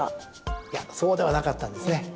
いやそうではなかったんですね。